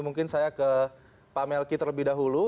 mungkin saya ke pak melki terlebih dahulu